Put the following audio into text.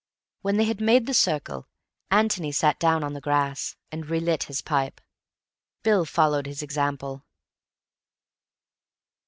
When they had made the circle, Antony sat down on the grass, and relit his pipe. Bill followed his example.